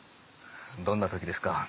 どんな時ですか？